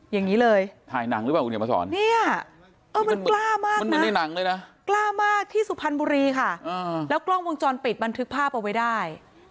อย่างงี้เลยนี้มันกล้ามากที่สุพรรณบุรีค่ะแล้วกล้องวงจรปิดมันถึงภาพเอาไว้ได้